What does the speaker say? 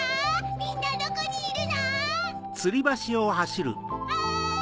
みんなどこにいるの⁉おい！